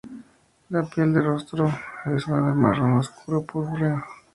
La piel del rostro es va de marrón obscuro a purpúreo.